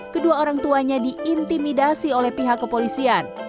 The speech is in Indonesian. kedua orang tuanya diintimidasi oleh pemerintah